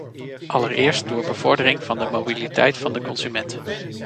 Allereerst door bevordering van de mobiliteit van de consument.